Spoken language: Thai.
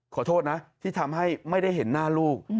ขอโทษนะที่ทำให้ไม่ได้เห็นหน้าลูก